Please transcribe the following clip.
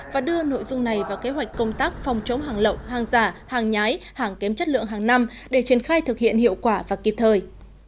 và đưa nội dung này vào kế hoạch công tác phòng chống hàng lậu hàng giả hàng nhái hàng kém chất lượng hàng năm để triển khai thực hiện hiệu quả và kịp thời